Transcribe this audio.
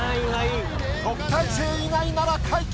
特待生以外なら快挙。